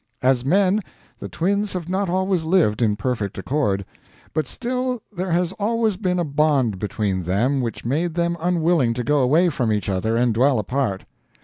As men, the Twins have not always lived in perfect accord; but still there has always been a bond between them which made them unwilling to go away from each other and dwell apart.